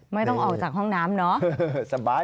ไม่ต้องออกจากห้องน้ำเนาะ